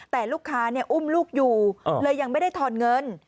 แต่ลูกค้าอุ้มลูกอยู่เลยยังไม่ได้ทอนเงิน